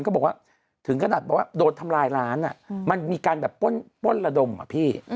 ก็บอกว่าถึงกระดับว่าโดนทำลายร้านอ่ะมันมีป้นระดมอ่ะพี่